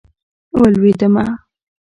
ولوېدمه.